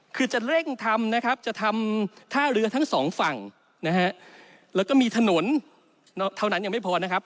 คือจะเร่งทำท่าเรือทั้งสองฝั่งแล้วก็มีถนนเท่านั้นอย่างไม่พอนะครับ